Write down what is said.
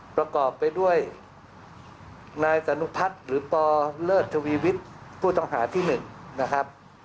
ประกอบไปด้วยนายสนุพัฒน์หรือปเลิศทวีวิทย์ผู้ต้องหาที่๑นะครับ